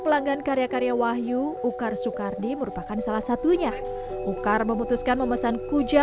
pelanggan karya karya wahyu ukar soekardi merupakan salah satunya ukar memutuskan memesan kuja